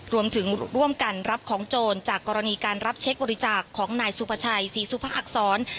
รวมถึงร่วมกันรับของโจรจากกรณีการรับเช็คบริจาคของนายสุภาคสอน